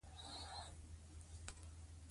ساینس د حافظې راز لټوي.